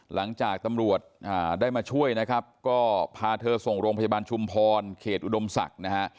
หลังจากตำรวจได้มาช่วยนะครับก็พาเธอส่งโรงพจบันชุมภรรยาโตรดีอุดมศักดิ์